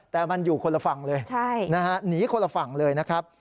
แต่มันอยู่คนละฝั่งเลยหนีคนละฝั่งเลยนะครับ